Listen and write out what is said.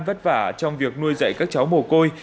vất vả trong việc nuôi dạy các cháu mồ côi